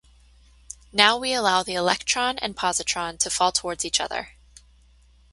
Now we allow the electron and positron to fall towards each other.